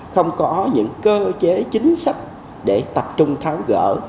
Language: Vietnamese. không có những cơ chế chính sách để tập trung tháo gỡ